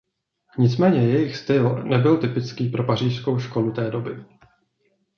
Nicméně jejich styl nebyl typický pro pařížskou školu té doby.